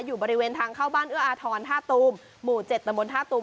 อยู่บริเวณทางเข้าบ้านเอื้ออาทรท่าตูมหมู่๗ตะบนท่าตูม